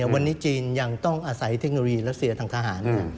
วันนี้จีนยังต้องอาศัยเทคโนโลยีรัสเซียทางทหาร